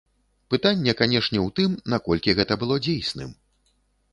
Пытанне, канешне, у тым, наколькі гэта было дзейсным.